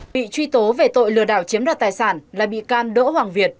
bị truy tố về tội lừa đảo chiếm đoạt tài sản là bị can đỗ hoàng việt